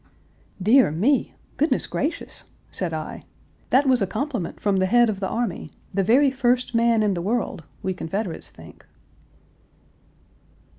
"Dear me! Goodness gracious!" said I. "That was a compliment from the head of the army, the very first man in the world, we Confederates think."